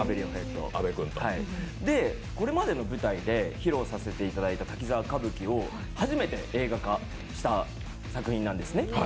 これまでの舞台で披露させていただいた「滝沢歌舞伎」を初めて映画化した作品なんですね。